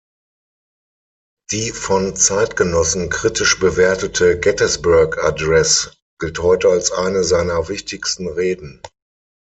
Die von Zeitgenossen kritisch bewertete "Gettysburg Address" gilt heute als eine seiner wichtigsten Reden.